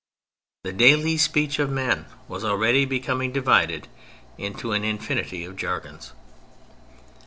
The daily speech of men was already becoming divided into an infinity of jargons.